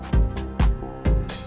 jalan atau pake motor